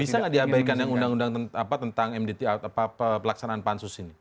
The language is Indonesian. bisa nggak diabaikan yang undang undang tentang mdt pelaksanaan pansus ini